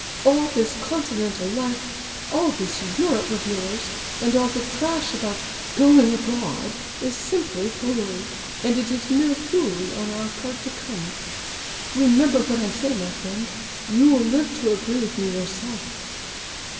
All this continental life, all this Europe of yours, and all the trash about 'going abroad' is simply foolery, and it is mere foolery on our part to come. Remember what I say, my friend; you'll live to agree with me yourself."